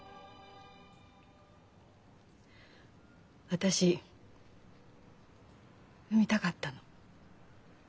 私産みたかったの。